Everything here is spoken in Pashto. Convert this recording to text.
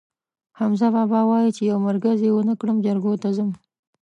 حمزه بابا وایي: چې یو مرگز یې ونه کړم، جرګو ته ځم.